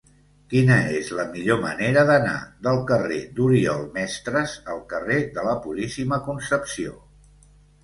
Quina és la millor manera d'anar del carrer d'Oriol Mestres al carrer de la Puríssima Concepció?